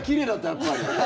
やっぱり。